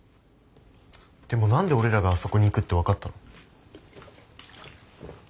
でも何で俺らがあそこに行くって分かったの？